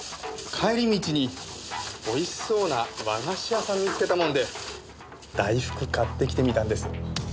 帰り道に美味しそうな和菓子屋さん見つけたもんで大福買ってきてみたんです。